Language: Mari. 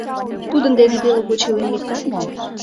Тудын дене теле гоч илен лектат мо?